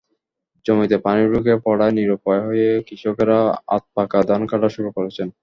জমিতে পানি ঢুকে পড়ায় নিরুপায় হয়ে কৃষকেরা আধপাকা ধান কাটা শুরু করেছেন।